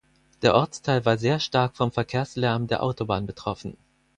Der Ortsteil war sehr stark vom Verkehrslärm der Autobahn betroffen.